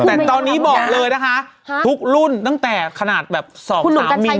แต่ตอนนี้บอกเลยนะคะทุกรุ่นตั้งแต่ขนาดแบบสองสามี